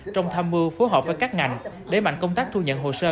trong tham mưu phối hợp với các ngành đẩy mạnh công tác thu nhận hồ sơ